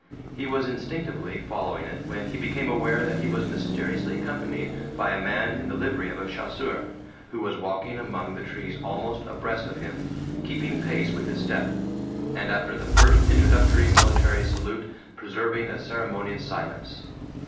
He was instinctively following it when he became aware that he was mysteriously accompanied by a man in the livery of a chasseur, who was walking among the trees almost abreast of him, keeping pace with his step, and after the first introductory military salute preserving a ceremonious silence.